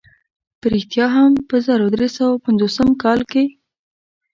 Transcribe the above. په رښتیا هم په زرو درې سوه پنځوسم کال کې.